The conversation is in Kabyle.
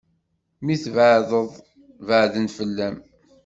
Mi tbaɛdeḍ, beɛdeɣ fell-am.